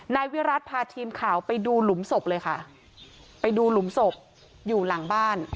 นายวิรัติพาทีมข่าวไปดูหลุมศพเลยค่ะไปดูหลุมศพอยู่หลังบ้าน